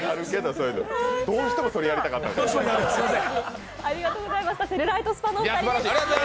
どうしてもそれ、やりたかったんやね。